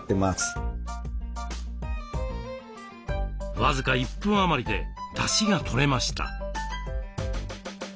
僅か１分余りでだしがとれました。